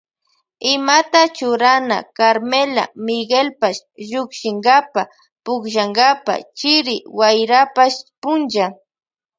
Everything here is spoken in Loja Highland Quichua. Imata churana Carmela Miguelpash llukshinkapa pukllankapa chiri wayrapash punlla.